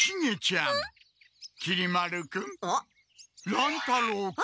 ・乱太郎君。